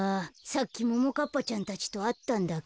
さっきももかっぱちゃんたちとあったんだけど。